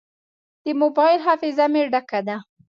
د موبایل حافظه مې ډکه ده.